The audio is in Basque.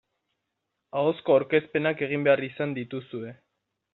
Ahozko aurkezpenak egin behar izan dituzue.